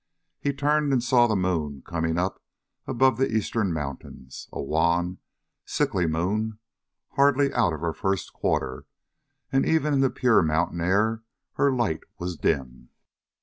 He turned and saw the moon coming up above the eastern mountains, a wan, sickly moon hardly out of her first quarter, and even in the pure mountain air her light was dim.